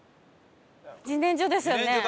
自然薯ですよね。